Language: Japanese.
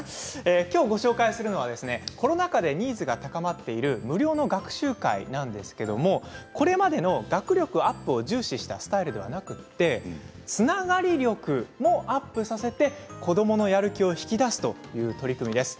きょうご紹介するのはコロナ禍でニーズが高まっている無料の学習会なんですけれどこれまでの学力アップを重視したスタイルではなくてつながり力もアップさせて子どものやる気を引き出すという取り組みです。